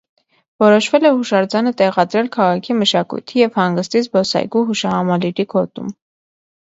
Որոշվել է հուշարձանը տեղադրել քաղաքի մշակույթի և հանգստի զբոսայգու հուշահամալիրի գոտում։